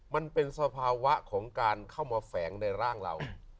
มันเป็นสภาวะของการเข้ามาแฝงในร่างเรา